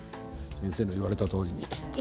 先生の言われたとおりに。